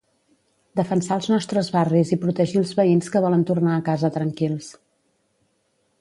Defensar els nostres barris i protegir els veïns que volen tornar a casa tranquils